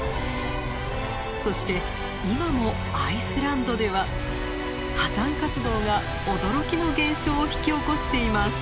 そして今もアイスランドでは火山活動が驚きの現象を引き起こしています。